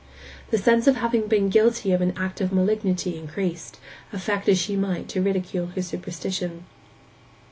The sense of having been guilty of an act of malignity increased, affect as she might to ridicule her superstition.